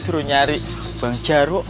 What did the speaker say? suruh nyari bang jarwo